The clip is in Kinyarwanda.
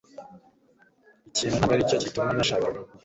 Iki ntabwo aricyo kintu nashakaga gukora.